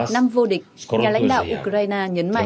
năm vô địch nhà lãnh đạo ukraine nhấn mạnh